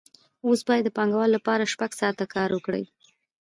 اوس باید د پانګوال لپاره شپږ ساعته کار وکړي